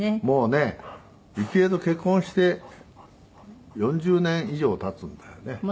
もうね雪江と結婚して４０年以上経つんだよね。